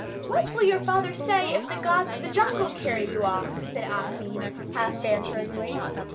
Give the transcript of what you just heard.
"What will your father say if the gods of the jungle carry you off?" asked Achmed, half banteringly.